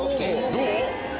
どう？